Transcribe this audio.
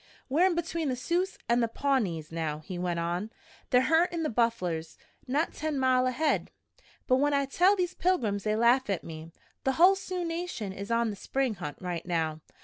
"We're in between the Sioux and the Pawnees now," he went on. "They're huntin' the bufflers not ten mile ahead. But when I tell these pilgrims, they laugh at me. The hull Sioux nation is on the spring hunt right now.